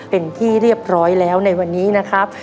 เป็นที่เรียบร้อยแล้วในวันนี้นะครับ